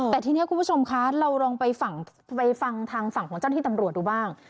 แต่ทีนี้คุณผู้ชมคะเราลองไปฟังทางฝั่งของเจ้าหน้าที่ตำรวจดูบ้าง